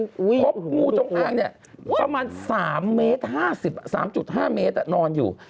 พบงูจงอังนี่ประมาณ๓๕เมตรนอนอยู่